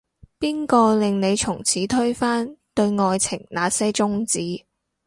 邊個令你從此推翻，對愛情那些宗旨